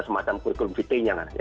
semacam kurikulum vt nya